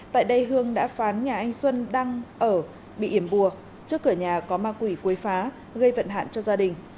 tại đây hương đã phán nhà anh xuân đang ở bị yểm bùa trước cửa nhà có ma quỷ quấy phá gây vận hạn cho gia đình